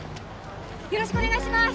よろしくお願いします